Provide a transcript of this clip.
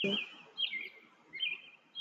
ڀيڙا پيو